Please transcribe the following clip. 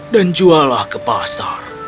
dan juallah ke pasar